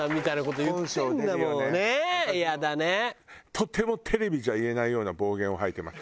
とてもテレビじゃ言えないような暴言を吐いてます。